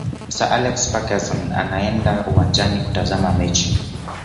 sir alex ferguson anaenda uwanjani kutazama mechi